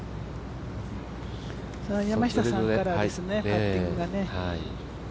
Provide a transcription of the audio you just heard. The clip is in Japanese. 山下さんからですね、パッティング。